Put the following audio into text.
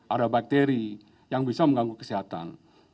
ada bakteri yang bisa mengganggu kesehatan